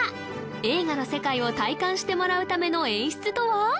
映画の世界を体感してもらうための演出とは？